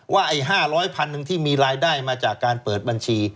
ไอ้๕๐๐พันหนึ่งที่มีรายได้มาจากการเปิดบัญชี